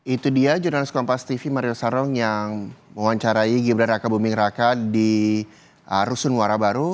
itu dia jurnalis kompas tv mario sarong yang mewawancarai gibran raka buming raka di rusun muara baru